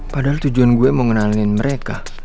padahal tujuan gue mau ngenalin mereka